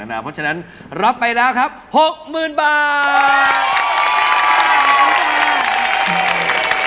เพราะฉะนั้นรับไปแล้วครับหกหมื่นบาท